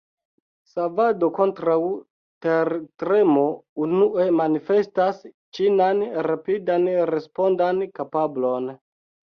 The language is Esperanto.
Savado kontraŭ tertremo unue manifestas ĉinan rapidan respondan kapablon.